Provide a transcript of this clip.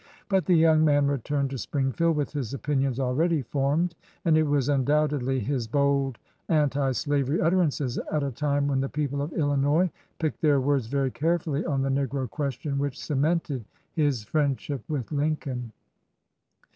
But the young man returned to Springfield with his opinions already formed, and it was undoubtedly his bold anti slavery utterances at a time when the people of Illinois picked their words very carefully on the negro question which cemented his friendship with Lincoln.